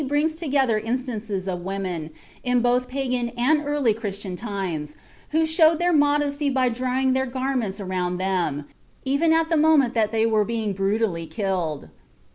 318), brings together instances of women, in both Pagan and early Christian times, who showed their modesty by drawing their garments around them, even at the moment that they were being brutally killed.